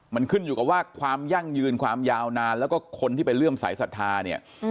มันขึ้นอยู่กับว่าความยั่งยืนความยาวนานแล้วก็คนที่ไปเลื่อมสายศรัทธาเนี่ย